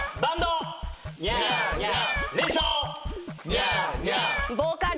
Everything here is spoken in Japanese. ニャーニャー。